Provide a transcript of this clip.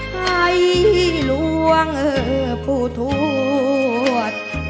ใครล่วงผู้ถูก